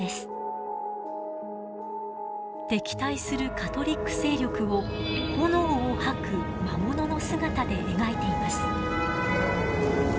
敵対するカトリック勢力を炎を吐く魔物の姿で描いています。